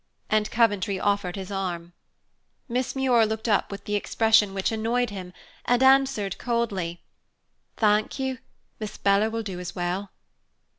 And Coventry offered his arm. Miss Muir looked up with the expression which annoyed him and answered coldly, "Thank you, Miss Bella will do as well."